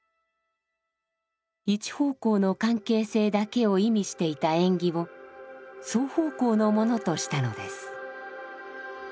一方向の関係性だけを意味していた縁起を双方向のものとしたのです。